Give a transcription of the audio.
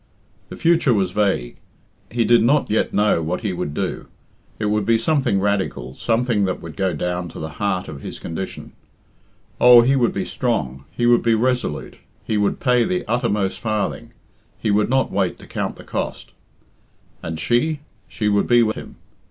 The future was vague. He did not yet know what he would do. It would be something radical, something that would go down to the heart of his condition. Oh, he would be strong, he would be resolute, he would pay the uttermost farthing, he would not wait to count the cost. And she she would be with him.